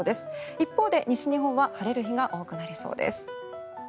一方で、西日本は晴れる日が多くなりそうです。